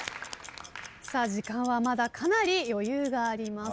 時間はまだかなり余裕があります。